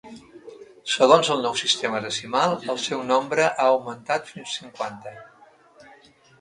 Segons el nou sistema decimal, el seu nombre ha augmentat fins cinquanta.